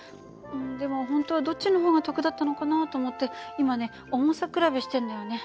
でも本当はどっちの方が得だったのかなと思って今ね重さ比べしてんのよね。